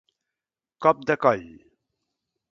Cop de coll.